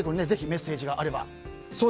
ぜひメッセージがあれば。